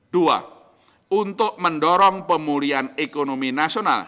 dua untuk mendorong pemulihan ekonomi nasional